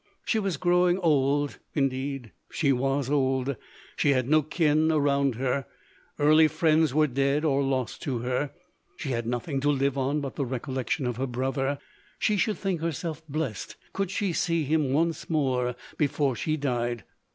She was growing old — indeed she was old— she had no kin around her — early friends were dead or lost to her — she had nothing to live on but the recollection of her brother ; she should think herself blest could she see him once more before she died.